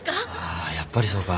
あやっぱりそうか。